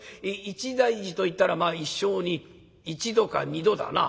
一大事といったらまあ一生に１度か２度だな。